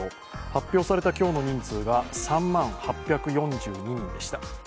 発表された今日の人数が３万８４２人でした。